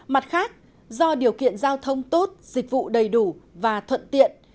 mặt khác do điều kiện giao thông tốt dịch vụ đầy đủ và thuận tiện